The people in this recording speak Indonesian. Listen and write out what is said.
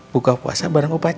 buka puasa bareng opacan